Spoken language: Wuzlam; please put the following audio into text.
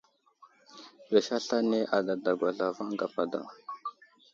Pəlis aslane adadagwa zlavaŋ gapa daw.